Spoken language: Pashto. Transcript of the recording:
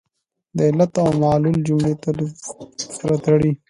د علت او معلول جملې سره تړي.